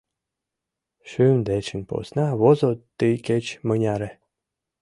Шӱм дечын посна возо тый кеч-мыняре